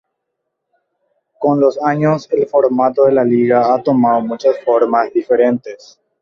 Con los años, el formato de la Liga ha tomado muchas formas diferentes.